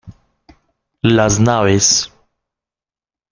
Las Naves